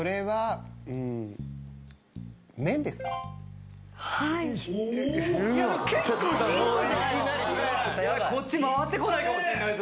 はい。